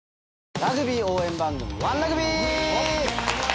ラグビー応援番組『ＯＮＥラグビー』！